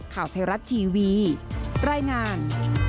ข่าวไทยรัฐทีวีรายงาน